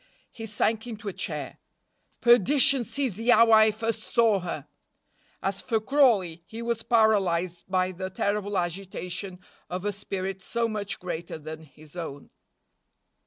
He sank into a chair. "Perdition seize the hour I first saw her!" As for Crawley, he was paralyzed by the terrible agitation of a spirit so much greater than his own.